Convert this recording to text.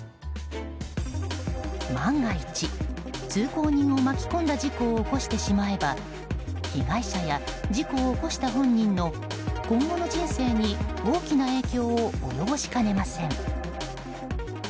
万が一、通行人を巻き込んだ事故を起こしてしまえば被害者や事故を起こした本人の今後の人生に大きな影響を及ぼしかねません。